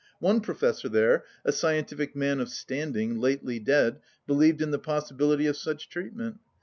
One professor there, a scientific man of standing, lately dead, believed in the possibility of such treatment.